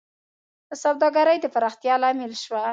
د سوداګرۍ د پراختیا لامل شوه